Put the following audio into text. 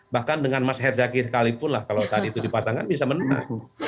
bahkan dengan mas herzaki sekalipun lah kalau tadi itu dipasangkan bisa menang